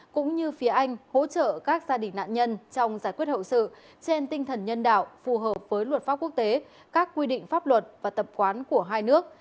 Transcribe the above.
cũng như phía anh hỗ trợ các gia đình nạn nhân trong giải quyết hậu sự trên tinh thần nhân đạo phù hợp với luật pháp quốc tế các quy định pháp luật và tập quán của hai nước